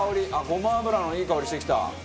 ごま油のいい香りしてきた。